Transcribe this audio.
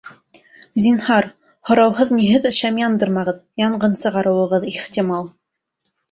Зинһар, һорауһыҙ-ниһеҙ шәм яндырмағыҙ, янғын сығарыуығыҙ ихтимал.